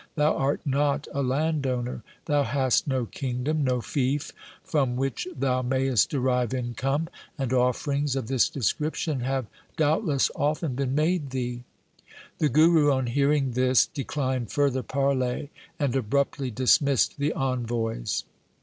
Thou art not a landowner, thou hast no kingdom, no fief from which thou mayest derive income, and offerings of this description have doubt less often been made thee.' The Guru on hearing this declined further parley and abruptly dismissed the envoys.